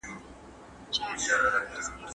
ځوانان له "نازک پړاوه" تېریږي.